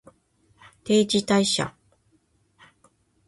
定時退社